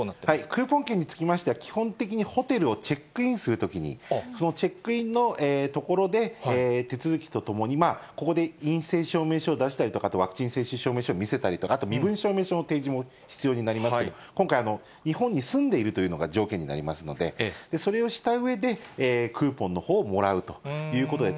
クーポン券につきましては、基本的にホテルをチェックインするときに、そのチェックインのところで、手続きとともに、ここで陰性証明書を出したりとか、ワクチン接種証明書見せたりとか、あと身分証明書の提示も必要になりますけど、今回、日本に住んでいるというのが条件になりますので、それをしたうえで、クーポンのほうをもらうということで。